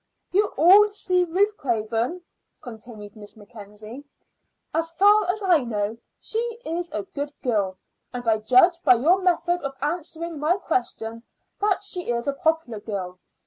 "You all see Ruth Craven," continued Miss Mackenzie. "As far as I know, she is a good girl; and I judge by your method of answering my question that she is a popular girl.